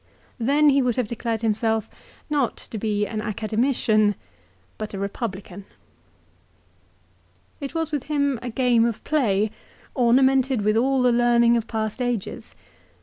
Then he would have declared himself not to be an Academician, but a Eepublican. It was with him a game of play, ornamented with all the learning of past ages.